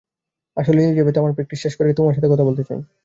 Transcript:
আসলে এলিজাবেথ, আমার প্রাকটিস শেষ করে তোমার সাথে কথা বলতে চাই।